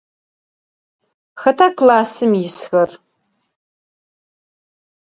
Хэта классым исхэр?